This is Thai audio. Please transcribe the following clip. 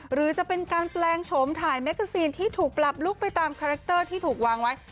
หรือจะเป็นการแปลงโฉมถ่ายแมกกาซีนที่ถูกปรับลุกไปตามคาแรคเตอร์ที่ถูกวางไว้